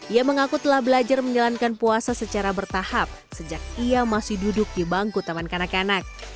ia mengaku telah belajar menjalankan puasa secara bertahap sejak ia masih duduk di bangku taman kanak kanak